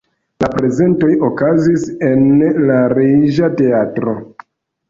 La prezentoj okazis en la Reĝa teatro.